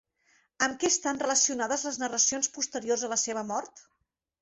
Amb què estan relacionades les narracions posteriors a la seva mort?